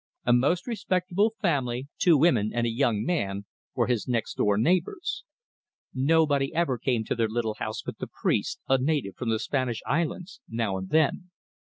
A most respectable family two women and a young man were his next door neighbours. Nobody ever came to their little house but the priest, a native from the Spanish islands, now and then.